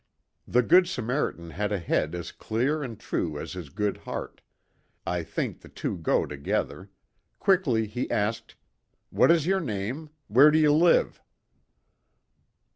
The Good Samaritan had a head as clear and true as his good heart I think the two go to gether ; quickly he asked :" What is your name ? Where do you live